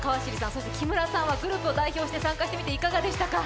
そして木村さんはグループを代表して参加してみていかがでしたか？